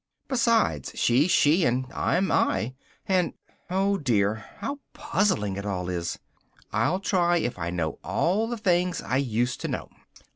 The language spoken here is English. Besides, she's she, and I'm I, and oh dear! how puzzling it all is! I'll try if I know all the things I used to know.